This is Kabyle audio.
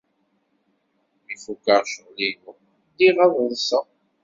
Mi fukeɣ ccɣel-inu, ddiɣ ad ḍḍseɣ.